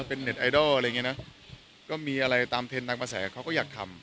เป็นเน็ตไอดอลอะไรอย่างเงี้นะก็มีอะไรตามเทรนดนางกระแสเขาก็อยากทำ